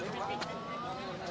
duduk dulu duduk dulu